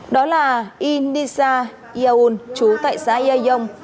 đó là inisa iaun chú tại xã yaiyong